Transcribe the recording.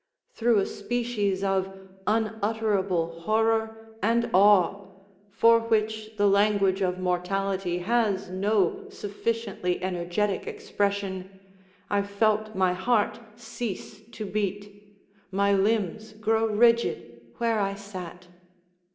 Through a species of unutterable horror and awe, for which the language of mortality has no sufficiently energetic expression, I felt my heart cease to beat, my limbs grow rigid where I sat.